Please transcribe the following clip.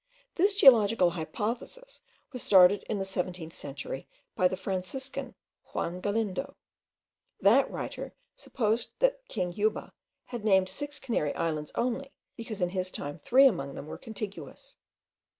This geological hypothesis was started in the seventeenth century by the Franciscan, Juan Galindo. That writer supposed that king Juba had named six Canary Islands only, because, in his time, three among them were contiguous.